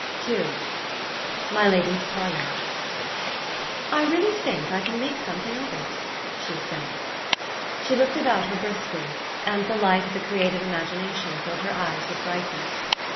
13 II MY LADY'S PARLOUR 1 REALLY think I can make something of it," she said. She looked about her briskly, and the light of the creative imagination filled her eyes with brightness.